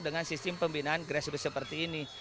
dengan sistem pembinaan grassroots seperti ini